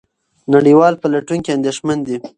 نړیوال پلټونکي اندېښمن دي.